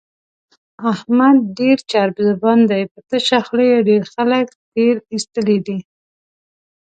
احمد ډېر چرب زبان دی، په تشه خوله یې ډېر خلک تېر ایستلي دي.